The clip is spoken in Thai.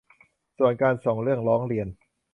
ส่วนการส่งเรื่องร้องเรียน